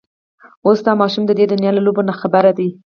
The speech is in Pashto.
اوس دا ماشومه د دنيا له لوبو نه ناخبره ده.